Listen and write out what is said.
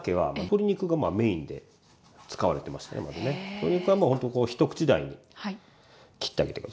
鶏肉はもうほんとこう一口大に切ってあげて下さい。